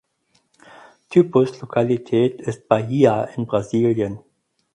Typuslokalität ist Bahia in Brasilien.